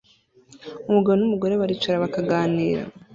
Umugabo n'umugore baricara bakaganira